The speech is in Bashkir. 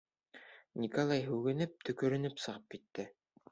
Николай һүгенеп, төкөрөнөп сығып китте.